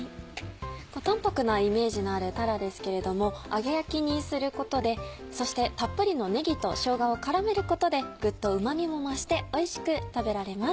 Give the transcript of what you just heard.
淡白なイメージのあるたらですけれども揚げ焼きにすることでそしてたっぷりのねぎとしょうがを絡めることでグッとうま味も増しておいしく食べられます。